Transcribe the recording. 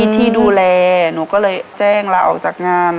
ที่ดูแลหนูก็เลยแจ้งลาออกจากงาน